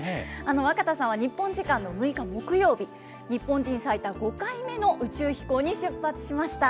若田さんは日本時間の６日木曜日、日本人最多５回目の宇宙飛行に出発しました。